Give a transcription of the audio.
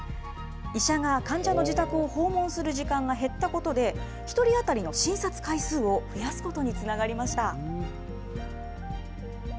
医者が患者の自宅を訪問する時間が減ったことで、１人当たりの診察回数を増やすことにつながりました。